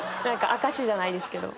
証しじゃないですけど。